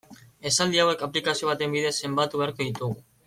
Esaldi hauek aplikazio baten bidez zenbatu beharko ditugu.